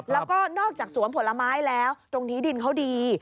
แล้วก็นอกจากสวนผลไม้แล้วตรงนี้ดินเขาดี